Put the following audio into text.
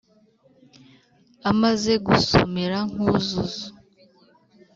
amaze gusumira nkuzuzu